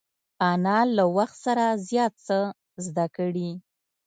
انا له وخت سره زیات څه زده کړي